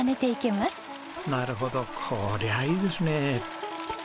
なるほどこりゃいいですね。